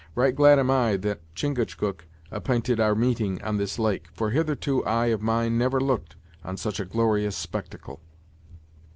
Right glad am I that Chingachgook app'inted our meeting on this lake, for hitherto eye of mine never looked on such a glorious spectacle."